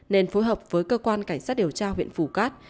nên phối hợp với cơ quan cảnh sát điều tra huyện phù cát